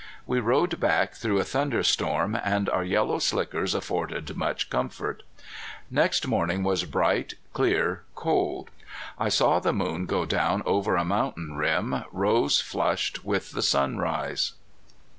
We rode back through a thunderstorm, and our yellow slickers afforded much comfort. Next morning was bright, clear, cold. I saw the moon go down over a mountain rim rose flushed with the sunrise.